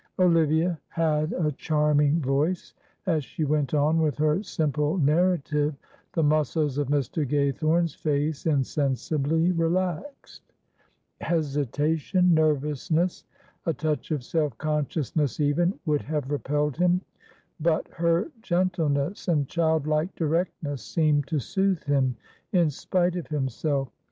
Olivia had a charming voice. As she went on with her simple narrative the muscles of Mr. Gaythorne's face insensibly relaxed; hesitation, nervousness, a touch of self consciousness even, would have repelled him; but her gentleness and childlike directness seemed to soothe him in spite of himself.